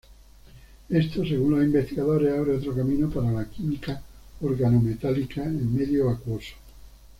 Esto, según los investigadores, abre otro camino para la química organometálica en medio acuoso.